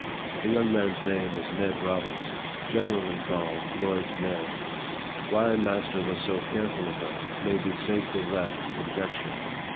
The young man's name was Ned Roberts, generally called Lloyd's Ned. Why master was so careful of her, may be safely left to conjecture.